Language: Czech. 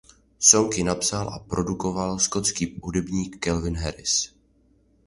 Song ji napsal a produkoval skotský hudebník Calvin Harris.